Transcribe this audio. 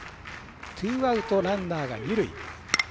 ツーアウト、ランナーが二塁。